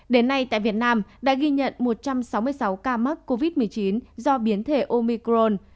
đến nay tại việt nam đã ghi nhận một trăm sáu mươi sáu ca mắc covid một mươi chín do biến thể omicron